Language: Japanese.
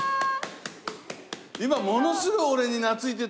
今ものすごい俺に懐いてたのに。